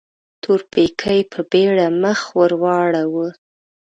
تورپيکۍ په بيړه مخ ور واړاوه.